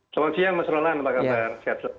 selamat siang mas rolan apa kabar